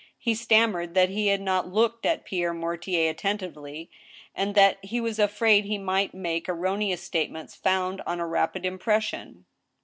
He stammered/that he had not looked at Pierre Mortier attentively, and that he was afraid he might make erroneous statements, founded on a rapid impres sion.